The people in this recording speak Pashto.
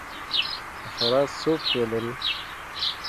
حشرات څو پښې لري؟